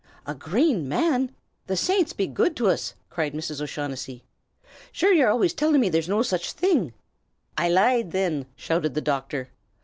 "A Grane Man! The saints be good to uz!" cried Mrs. O'Shaughnessy. "Sure, ye always till't me there was no sich thing ava'." "I lied, thin!" shouted the doctor.